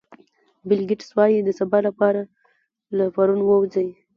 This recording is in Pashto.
بیل ګېټس وایي د سبا لپاره له پرون ووځئ.